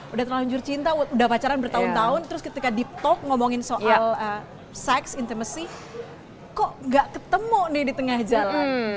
udah terlanjur cinta udah pacaran bertahun tahun terus ketika di talk ngomongin soal seks intermacy kok gak ketemu nih di tengah jalan